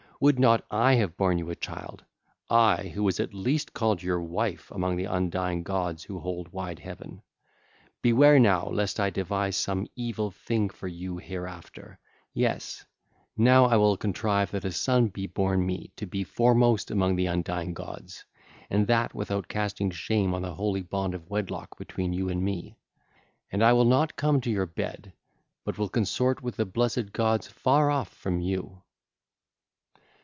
Would not I have borne you a child—I, who was at least called your wife among the undying gods who hold wide heaven. Beware now lest I devise some evil thing for you hereafter: yes, now I will contrive that a son be born me to be foremost among the undying gods—and that without casting shame on the holy bond of wedlock between you and me. And I will not come to your bed, but will consort with the blessed gods far off from you.